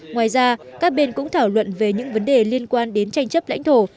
ngoài ra các bên cũng thảo luận về những vấn đề liên quan đến tranh chấp lãnh thổ